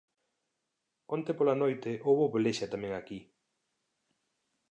Onte pola noite houbo pelexa tamén aquí...